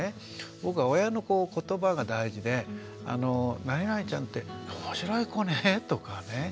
僕は親の言葉が大事で「なになにちゃんって面白い子ね」とかね